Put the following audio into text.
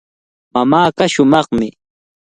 Mamaaqa shumaqmi.